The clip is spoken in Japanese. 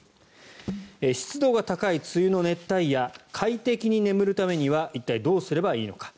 湿度が高い梅雨の熱帯夜快適に眠るためには一体どうすればいいのか。